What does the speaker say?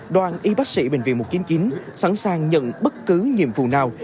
đoàn y bác sĩ bệnh viện mục kiến kiến sẵn sàng nhận bất cứ nhiệm vụ nào